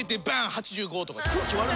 ８５とか。